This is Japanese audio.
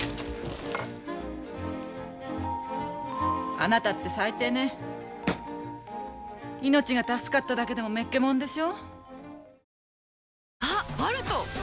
あなたって最低ね命が助かっただけでもめっけもんでしょ？